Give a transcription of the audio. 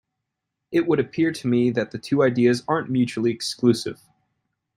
It would appear to me that the two ideas aren't mutually exclusive.